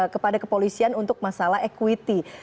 kepada kepolisian untuk masalah equity